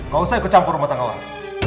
gak usah ikut campur rumah tangga orang